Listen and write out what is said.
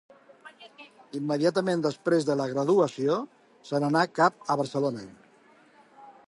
Immediatament després de la graduació, se n'anà cap a Barcelona.